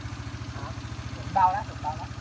แต่อาจจะทำให้คุณมีความสุขมากกับแฟนคุณก็ได้นะ